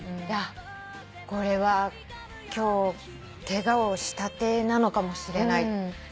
あっこれは今日ケガをしたてなのかもしれない。